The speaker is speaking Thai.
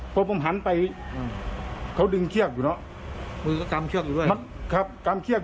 เป็นเพื่อทำงานใช่ไหม